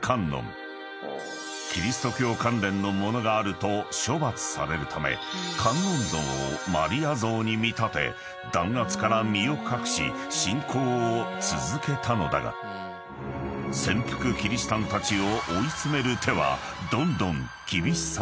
［キリスト教関連の物があると処罰されるため観音像をマリア像に見立て弾圧から身を隠し信仰を続けたのだが潜伏キリシタンたちを］